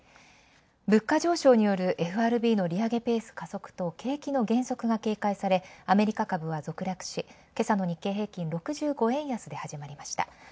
物価上昇によるＦＲＢの利上げベース加速と、景気の減速が警戒され、アメリカ株は警戒され今朝の日経平均、６５円安で始まりました。